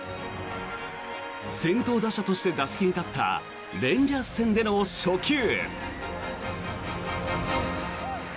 先頭打者として打席に立ったレンジャーズ戦での初球。